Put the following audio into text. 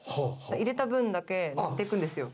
入れた分だけ塗っていくんですよ。